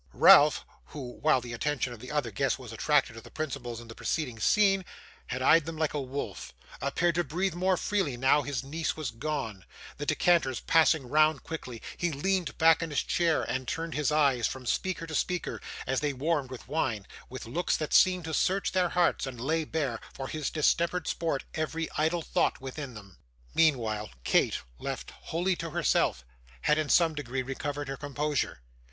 Ralph, who, while the attention of the other guests was attracted to the principals in the preceding scene, had eyed them like a wolf, appeared to breathe more freely now his niece was gone; the decanters passing quickly round, he leaned back in his chair, and turned his eyes from speaker to speaker, as they warmed with wine, with looks that seemed to search their hearts, and lay bare, for his distempered sport, every idle thought within them. Meanwhile Kate, left wholly to herself, had, in some degree, recovered her composure.